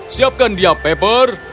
siapkan dia pepper